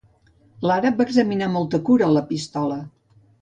L'àrab va examinar amb molta cura la pistola.